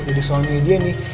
jadi suami dia nih